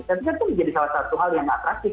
saya pikir itu menjadi salah satu hal yang atraktif